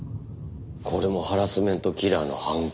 これもハラスメントキラーの犯行。